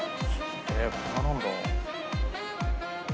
えっこんななんだ。